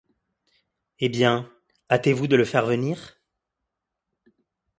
Eh bien, hâtez-vous de le faire venir.